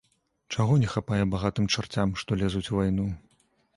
Чаго не хапае багатым чарцям, што лезуць у вайну?